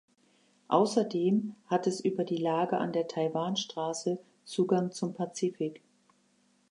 Außerdem hat es über die Lage an der Taiwanstraße Zugang zum Pazifik.